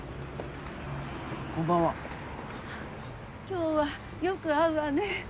今日はよく会うわね。